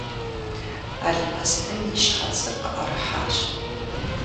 Алмэстым и щхьэцыр къыӀэрыхьащ.